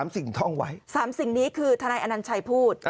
สิ่งท่องไว้๓สิ่งนี้คือทนายอนัญชัยพูด